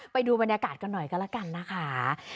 ไปดูบรรยากาศกันหน่อยก็แล้วกันนะคะ